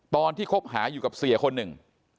ตอนที่คบหาอยู่กับเสียคนหนึ่ง